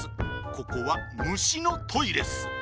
ここはむしのトイレっす。